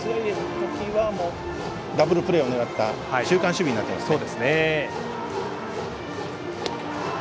ダブルプレーを狙った中間守備になっています。